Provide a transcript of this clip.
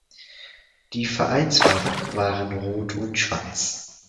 Die Vereinsfarben waren rot und schwarz.